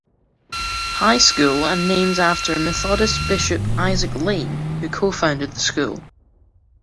High School and named after Methodist Bishop Isaac Lane who co-founded the school.